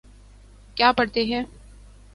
کیا پڑھتے ہیں